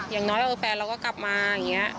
อย่างน้อยแฟนเราก็กลับมาอย่างนี้